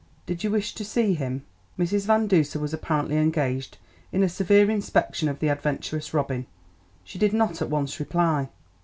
"Did you wish to see him?" Mrs. Van Duser was apparently engaged in a severe inspection of the adventurous robin. She did not at once reply.